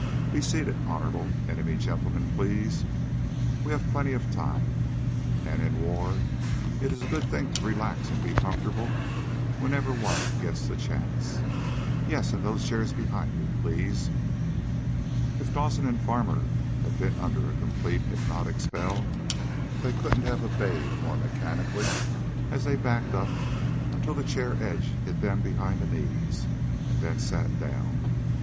"Be seated, Honorable Enemy Gentlemen, please. We have plenty of time. And in war it is a good thing to relax and be comfortable whenever one gets the chance. Yes, in those chairs behind you, please." If Dawson and Farmer had been under a complete hypnotic spell they couldn't have obeyed more mechanically as they backed up until the chair edge hit them behind the knees, and then sat down.